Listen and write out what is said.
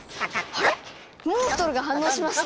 あれっモンストロが反応しました。